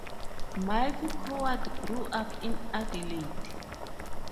Mike Coward grew up in Adelaide.